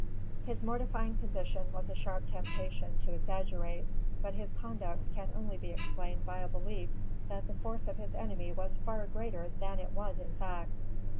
His mortifying position was a sharp temptation to exaggerate; but his conduct can only be explained by a belief that the force of his enemy was far greater than it was in fact.